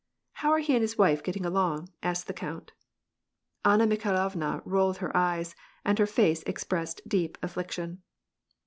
How are he and his wife getting along ?" asked the count. Anna Mikhailovna rolled up her eyes, and her face ex pressed deep affliction.